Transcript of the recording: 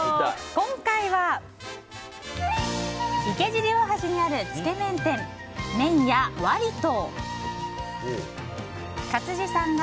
今回は、池尻大橋にあるつけ麺店麺屋和利道。